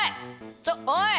ちょおい！